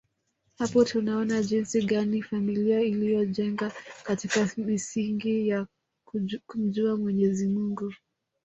Hapa tunaona jinsi gani familia iliyojijenga katika misingi ya kumjua Mwenyezi Mungu